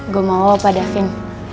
gua mau apa davin